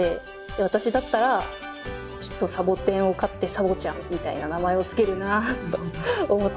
私だったらきっとサボテンを飼ってサボちゃんみたいな名前を付けるなと思ったので。